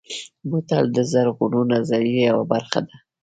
بوتل د زرغونو نظریو یوه برخه ده.